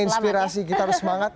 inspirasi kita harus semangat